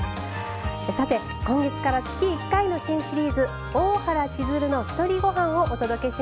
さて今月から月１回の新シリーズ「大原千鶴のひとりごはん」をお届けします。